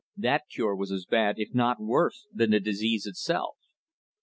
That cure was as bad, if not worse, than the disease itself.